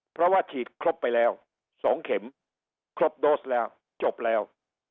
เพราะว่าฉีดครบไปแล้ว๒เข็มครบโดสแล้วจบแล้ว